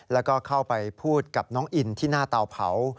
แล้วก็เข้าไปพูดกับน้องอินที่หน้าเตาเผา